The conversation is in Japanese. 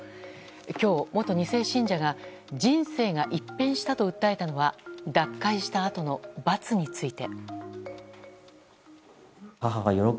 今日、元２世信者が人生が一変したと訴えたのは脱会したあとの罰について。